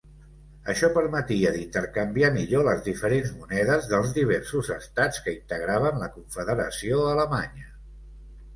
Això permetia d'intercanviar millor les diferents monedes dels diversos estats que integraven la Confederació Alemanya.